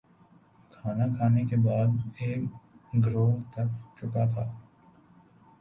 کھانا کھانے کے بعد ایک گروہ تھک چکا تھا